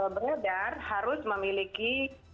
beredar harus memiliki